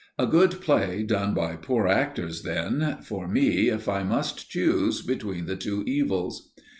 A good play done by poor actors, then, for me, if I must choose between the two evils.